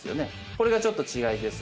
これがちょっと違いです。